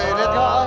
nih liat gak apa